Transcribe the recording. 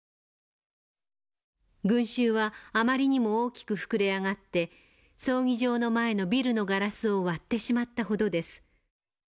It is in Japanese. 「群衆はあまりにも大きく膨れ上がって葬儀場の前のビルのガラスを割ってしまったほどです。